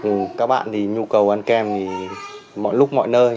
như vậy thì nhu cầu ăn kem thì mọi lúc mọi nơi